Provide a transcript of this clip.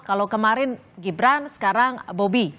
kalau kemarin gibran sekarang bobby